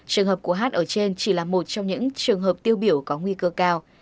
trường hợp của hát ở trên chỉ là một trong những trường hợp tiêu biểu có nguy cơ cao